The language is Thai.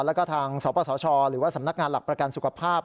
แล้วก็ทางสปสชหรือว่าสำนักงานหลักประกันสุขภาพ